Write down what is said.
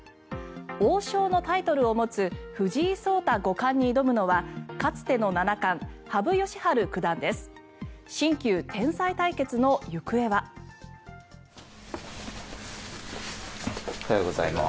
王将のタイトルを持つ藤井聡太五冠に挑むのはかつての七冠羽生善治九段です。